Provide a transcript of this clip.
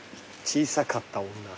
［小さかった女？］